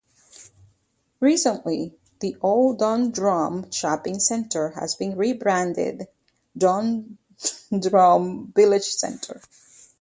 Recently the old "Dundrum Shopping Centre" has been rebranded "Dundrum Village Centre".